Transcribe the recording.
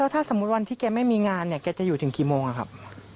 ถ้าสมมุติวันที่แกไม่มีงานเนี่ยแกจะอยู่ถึงกี่โมงครับ